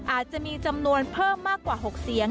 อาจจะมีจำนวนเพิ่มมากกว่า๖เสียง